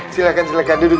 silahkan silahkan duduk dulu